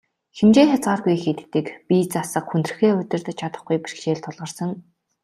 Хэмжээ хязгааргүй их иддэг, бие засах, хүндрэхээ удирдаж чадахгүй бэрхшээл тулгарсан.